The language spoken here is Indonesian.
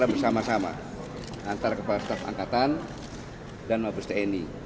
kita bersama sama antara kepala staf angkatan dan mabristeni